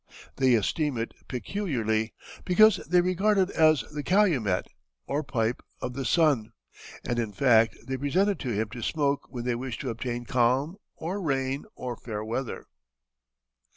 They esteem it peculiarly, because they regard it as the calumet, or pipe, of the sun; and, in fact, they present it to him to smoke when they wish to obtain calm, or rain, or fair weather."